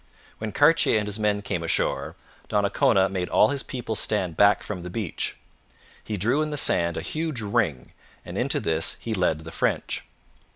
When Cartier and his men came ashore, Donnacona made all his people stand back from the beach. He drew in the sand a huge ring, and into this he led the French.